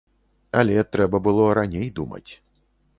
Але трэба было раней думаць.